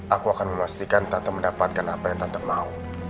aku akan memastikan tante mendapatkan apa yang tante mau